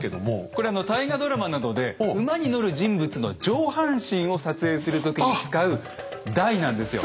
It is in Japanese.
これあの大河ドラマなどで馬に乗る人物の上半身を撮影する時に使う台なんですよ。